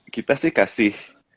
kita sih kasih